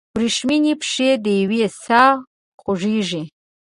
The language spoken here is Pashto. وریښمینې پښې دیوې ساه خوږیږي